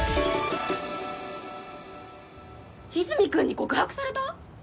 和泉君に告白された！？